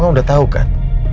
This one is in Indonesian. kamu kan udah tahu kan